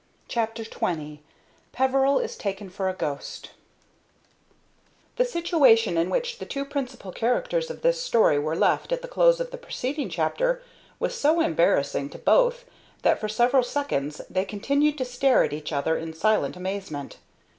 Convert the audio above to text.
CHAPTER XX PEVERIL IS TAKEN FOR A GHOST The situation in which the two principal characters of this story were left at the close of the preceding chapter was so embarrassing to both that for several seconds they continued to stare at each other in silent amazement.